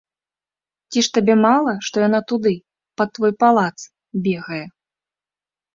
Ці ж табе мала, што яна туды, пад твой палац, бегае?